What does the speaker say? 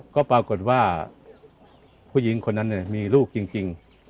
ก็ปรากฏว่าผู้หญิงคนนั้นมีลูกจริง